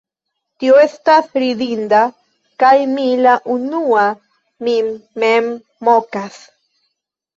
Tio estas ridinda, kaj mi la unua min mem mokas.